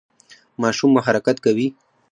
ماشوم مو حرکت کوي؟